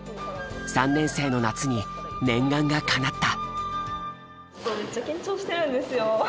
３年生の夏に念願がかなった。